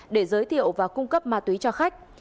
để giới thiệu và cung cấp ma túy cho khách